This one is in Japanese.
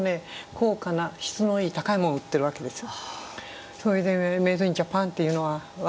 高価な質のいい高いもの売ってるわけですよ。